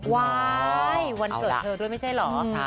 วายวันเกิดเธอด้วยไม่ใช่เหรอ